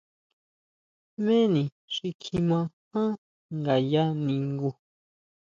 ¿Jméni xi kjima jan ngaya ningu?